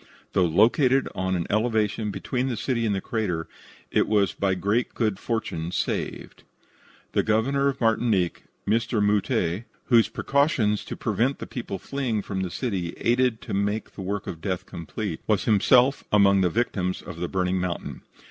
Though located on an elevation between the city and the crater, it was by great good fortune saved. The Governor of Martinique, Mr. Mouttet, whose precautions to prevent the people fleeing from the city aided to make the work of death complete, was himself among the victims of the burning mountain.